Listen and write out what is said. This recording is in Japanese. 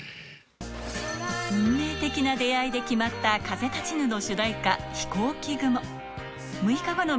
運命的な出会いで決まった『風立ちぬ』の主題歌